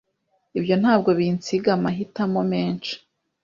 Ibyo ntabwo binsiga amahitamo menshi.